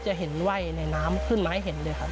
จะเห็นไหว้ในน้ำขึ้นมาให้เห็นเลยครับ